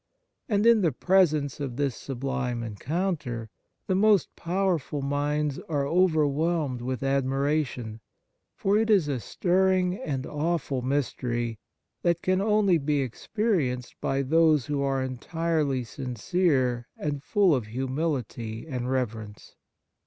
And, in the presence of this sublime encounter, the most powerful minds are overwhelmed with admira tion, for it is a stirring and awful mystery, that can only be experienced by those who are entirely sincere and full of humility and reverence.